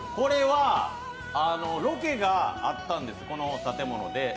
ロケがあったんです、この建物で。